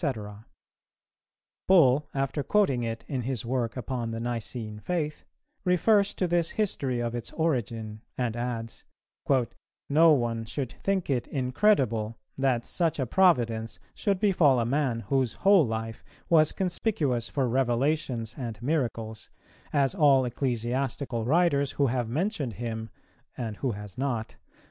[418:1] Bull, after quoting it in his work upon the Nicene Faith, refers to this history of its origin, and adds, "No one should think it incredible that such a providence should befall a man whose whole life was conspicuous for revelations and miracles, as all ecclesiastical writers who have mentioned him (and who has not?)